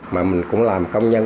mà mình cũng làm công dân